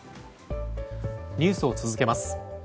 ニュースを続けます。